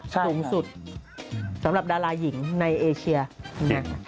ที่สูงสุดสำหรับดารายิงในเอเชียใช่ไหมคะ